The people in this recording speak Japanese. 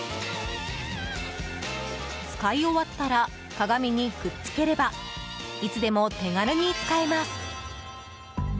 使い終わったら鏡にくっつければいつでも手軽に使えます。